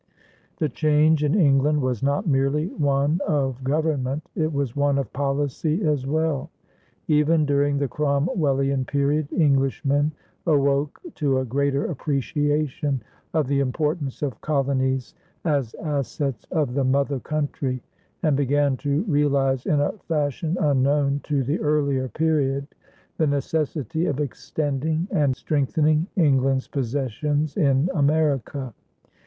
The change in England was not merely one of government; it was one of policy as well. Even during the Cromwellian period, Englishmen awoke to a greater appreciation of the importance of colonies as assets of the mother country, and began to realize, in a fashion unknown to the earlier period, the necessity of extending and strengthening England's possessions in America.